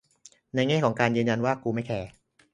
ในแง่การยืนยันว่ากูไม่แคร์